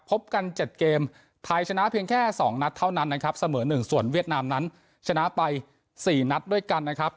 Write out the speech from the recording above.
พบกัน๗เกมไทยชนะเพียงแค่๒นัดเท่านั้นนะครับเสมอ๑ส่วนเวียดนามนั้นชนะไป๔นัดด้วยกันนะครับ